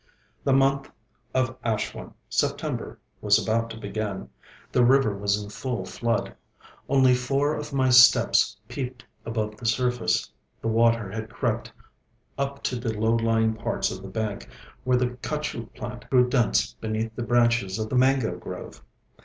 The month of Ashwin (September) was about to begin. The river was in full flood. Only four of my steps peeped above the surface. The water had crept up to the low lying parts of the bank, where the kachu plant grew dense beneath the branches of the mango grove.